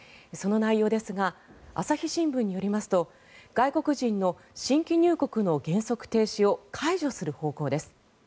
その内容ですが朝日新聞によりますと外国人の新規入国の原則停止を解除する方向です。